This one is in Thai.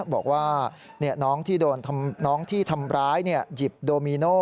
บอกว่าน้องที่ทำร้ายหยิบโดมิโน้